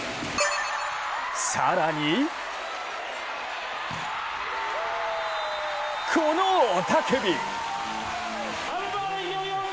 更にこの雄たけび。